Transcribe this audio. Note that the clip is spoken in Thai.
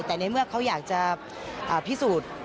แต่ในเมื่อเขาอยากจะพิสูจน์